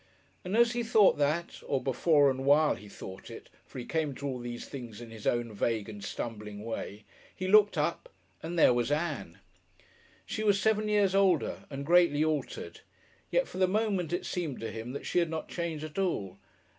And as he thought that, or before and while he thought it, for he came to all these things in his own vague and stumbling way, he looked up, and there was Ann! She was seven years older and greatly altered; yet for the moment it seemed to him that she had not changed at all.